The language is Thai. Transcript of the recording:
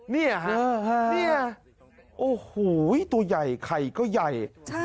นี่เหรอตัวใหญ่ไข่ก็ใหญ่